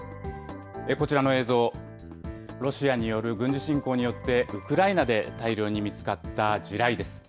こちらの映像、ロシアによる軍事侵攻によって、ウクライナで大量に見つかった地雷です。